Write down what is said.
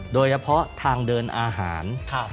โดยเฉพาะทางเดินอาหาร